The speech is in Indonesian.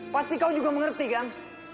pasti kau juga mengerti kan